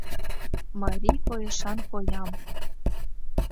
Марий койышан коям.